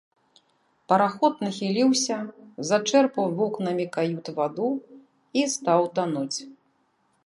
Параход нахіліўся, зачэрпаў вокнамі кают ваду і стаў тануць.